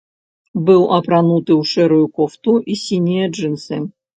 Быў апрануты ў шэрую кофту і сінія джынсы.